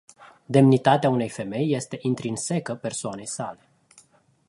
Demnitatea unei femei este intrinsecă persoanei sale.